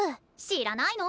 知らないの？